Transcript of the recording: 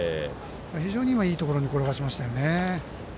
非常にいいところに転がしましたよね。